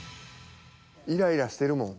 イライラしてるもん。